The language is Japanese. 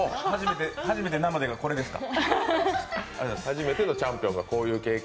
初めての生でがこれですか。